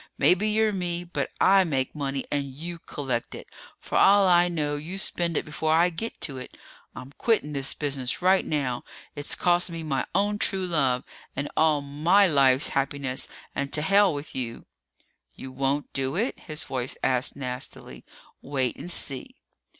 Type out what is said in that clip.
Maybe you're me, but I make money and you collect it. For all I know you spend it before I get to it! I'm quitting this business right now. It's cost me my own true love and all my life's happiness and to hell with you!" "You won't do it?" his own voice asked nastily. "Wait and see!"